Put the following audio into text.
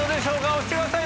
押してください。